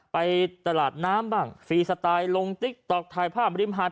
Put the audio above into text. ไปตลาดน้ำบ้างฟรีสไตล์ลงติ๊กต๊อกถ่ายภาพริมหาด